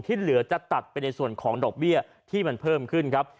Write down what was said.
ที่เหลือจะตัดไปในส่วนของดอกเบี้ยที่มันเพิ่มขึ้นครับ